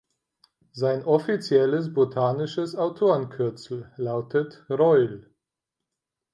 Sein offizielles botanisches Autorenkürzel lautet „Royle“.